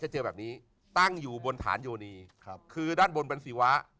จะเจอแบบนี้ตั้งอยู่บนฐานโยนีคือด้านบนบรรษีวะ